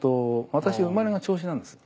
私生まれが銚子なんですよ。